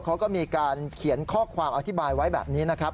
เขาก็มีการเขียนข้อความอธิบายไว้แบบนี้นะครับ